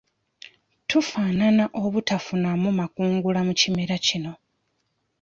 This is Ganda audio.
Tufaanana obutafunamu makungula mu kimera kino.